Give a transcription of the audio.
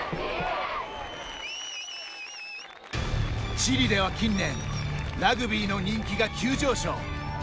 チリでは近年ラグビーの人気が急上昇！